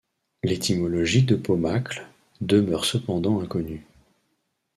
L’étymologie de Pomacle demeure cependant inconnue.